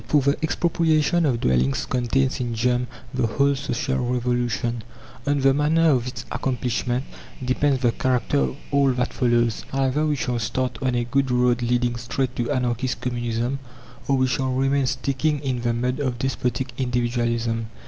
For the expropriation of dwellings contains in germ the whole social revolution. On the manner of its accomplishment depends the character of all that follows. Either we shall start on a good road leading straight to anarchist communism, or we shall remain sticking in the mud of despotic individualism.